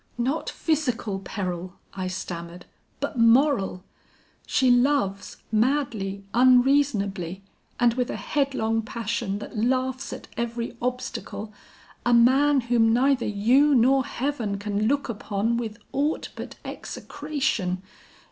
"'Not physical peril,' I stammered, 'but moral. She loves madly, unreasonably, and with a headlong passion that laughs at every obstacle, a man whom neither you nor heaven can look upon with aught but execration.